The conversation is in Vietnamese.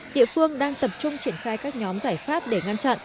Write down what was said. địa phương đang tập trung triển khai các nhóm giải pháp để ngăn chặn